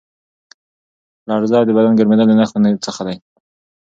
لړزه او د بدن ګرمېدل د نښو څخه دي.